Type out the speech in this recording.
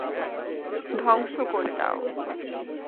ধ্বংস করে দাও!